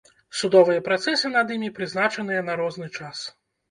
Судовыя працэсы над імі прызначаныя на розны час.